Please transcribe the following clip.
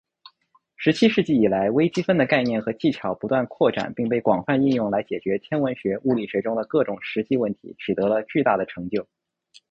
十七世纪以来，微积分的概念和技巧不断扩展并被广泛应用来解决天文学、物理学中的各种实际问题，取得了巨大的成就。